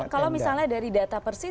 kalau misalnya dari data persis